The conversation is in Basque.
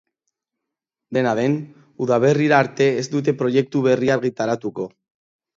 Dena den, udaberrira arte ez dute proiektu berria argitaratuko.